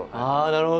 なるほど。